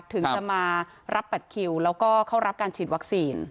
ถึงจะมารับบัตรคิวแล้วก็เข้ารับการฉีดวัคซีน